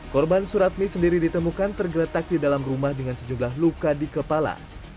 korban suratmi sendiri ditemukan tergeletak di dalam rumah dengan sejumlah luka di kepala